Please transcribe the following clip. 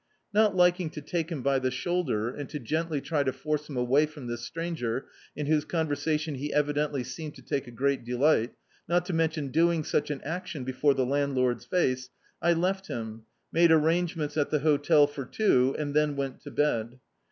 Not liking to take him by the shoulder, and to gently try to force him away fnmi this stranger in whose conversation he evidently seemed to take a great delight, not to mention doing such an action before the landlord's face, I left him, made arrangements at the hotel for tw(^ and then went to bed.